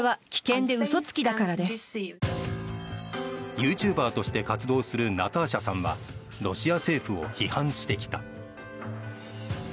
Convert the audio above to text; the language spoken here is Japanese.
ユーチューバーとして活動するナターシャさんはロシア政府を批判してきた。